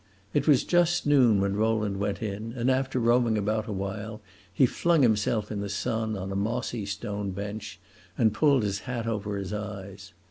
It was just noon when Rowland went in, and after roaming about awhile he flung himself in the sun on a mossy stone bench and pulled his hat over his eyes.